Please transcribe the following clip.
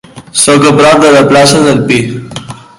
Sóc a prop de la plaça del Pi.